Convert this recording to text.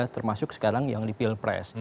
termasuk sekarang yang di pilpres